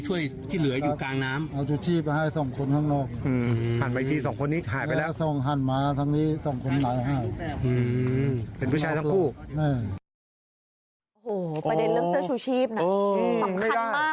เสื้อชูชีพมีนะ